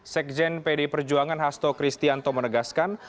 sekjen pdi perjuangan hasto kristianto menegaskan